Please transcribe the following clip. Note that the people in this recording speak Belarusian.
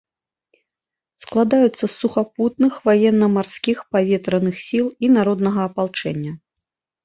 Складаюцца з сухапутных, ваенна-марскіх, паветраных сіл і народнага апалчэння.